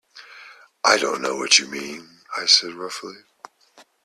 “I don’t know what you mean,” I said roughly.